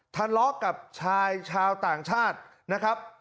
ทะเลาะกับชายชาวต่างชาตินะครับ